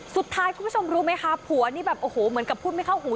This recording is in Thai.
คุณผู้ชมรู้ไหมคะผัวนี่แบบโอ้โหเหมือนกับพูดไม่เข้าหู